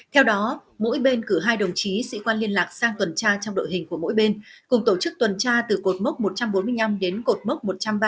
theo đó mỗi bên cử hai đồng chí sĩ quan liên lạc sang tuần tra trong đội hình của mỗi bên cùng tổ chức tuần tra từ cột mốc một trăm bốn mươi năm đến cột mốc một trăm ba mươi